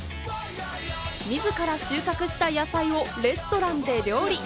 自ら収穫した野菜をレストランで料理。